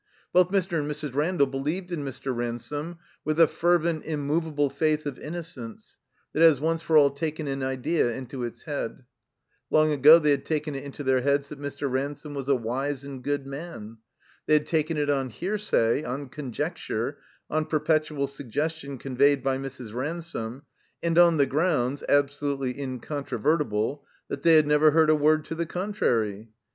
Both Mr. and Mrs. Randall be lieved in Mr. Ransome with the fervent, immovable faith of innocence that has once for all taken an idea into its head. Long ago they had taken it into their heads that Mr. Ransome was a wise and good man. They had taken it on hearsay, on con jecture, on perpetual suggestion conveyed by Mrs. Ransome, and on the grounds — ^absolutely incon trovertible — ^that they had never heard a word to the contrary.